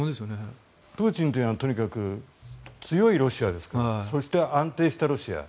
プーチンというのはとにかく強いロシアそして安定したロシア。